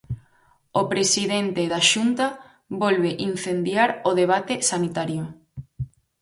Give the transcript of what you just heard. O presidente da Xunta volve incendiar o debate sanitario.